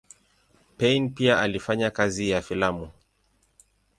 Payn pia alifanya kazi ya filamu.